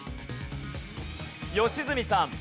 良純さん。